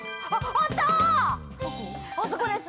あそこです。